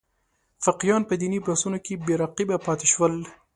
فقیهان په دیني بحثونو کې بې رقیبه پاتې شول.